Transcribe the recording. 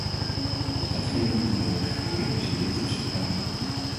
De wetgeving die we hebben gecreëerd, is in dit opzicht duidelijk.